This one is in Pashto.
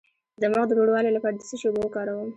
د مخ د روڼوالي لپاره د څه شي اوبه وکاروم؟